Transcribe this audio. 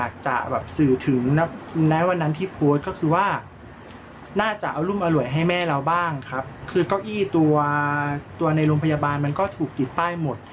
เก้าอี้ตัวในโรงพยาบาลถูกติดใต้หมด